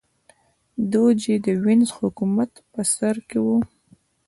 دوج چې د وینز حکومت په سر کې و